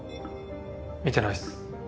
見てないっす。